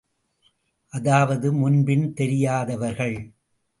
அதாவது முன்பின் தெரியாதவர்கள்.